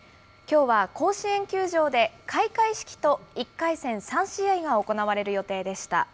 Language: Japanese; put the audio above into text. きょうは甲子園球場で開会式と１回戦３試合が行われる予定でした。